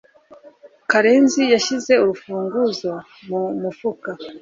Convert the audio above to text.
Karenzi yashyize urufunguzo mu mufuka.